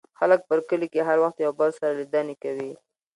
خلک په کلي کې هر وخت یو بل سره لیدنې کوي.